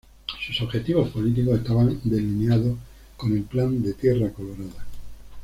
Sus objetivos políticos estaban delineados en el Plan de Tierra Colorada.